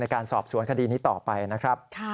การสอบสวนคดีนี้ต่อไปนะครับ